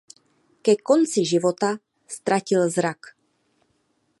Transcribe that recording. Ke konci života ztratil zrak.